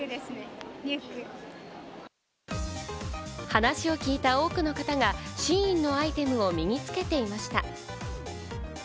話を聞いた多くの方がＳＨＥＩＮのアイテムを身につけていました。